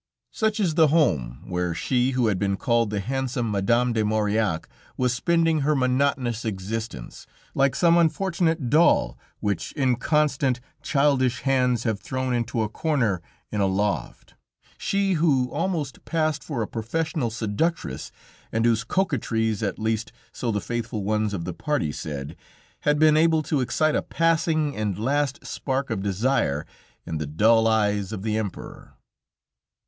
Such is the home where she, who had been called the handsome Madame de Maurillac, was spending her monotonous existence, like some unfortunate doll which inconstant, childish hands have thrown into a corner in a loft, she who, almost passed for a professional seductress, and whose coquetries, at least so the Faithful ones of the Party said, had been able to excite a passing and last spark of desire in the dull eyes of the Emperor.